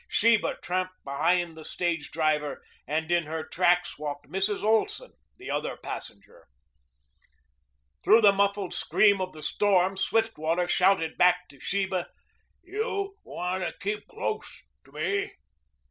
Sheba tramped behind the stage driver and in her tracks walked Mrs. Olson, the other passenger. Through the muffled scream of the storm Swiftwater shouted back to Sheba. "You wanta keep close to me."